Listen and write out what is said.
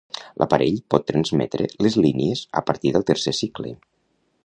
L'aparell pot transmetre les línies a partir del tercer cicle.